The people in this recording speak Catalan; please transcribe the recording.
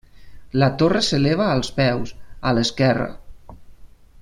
La torre s'eleva als peus, a l'esquerra.